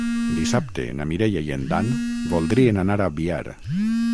Dissabte na Mireia i en Dan voldrien anar a Biar.